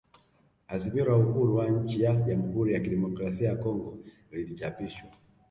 Azimio la uhuru wa nchi ya Jamhuri ya kidemokrasia ya Kongo lilichapishwa